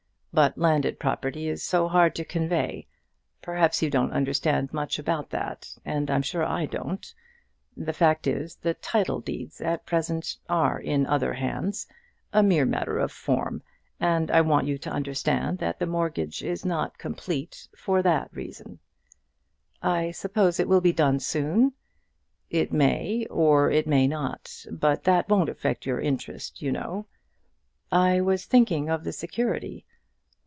But landed property is so hard to convey. Perhaps you don't understand much about that! and I'm sure I don't. The fact is, the title deeds at present are in other hands, a mere matter of form; and I want you to understand that the mortgage is not completed for that reason." "I suppose it will be done soon?" "It may, or it may not; but that won't affect your interest, you know." "I was thinking of the security."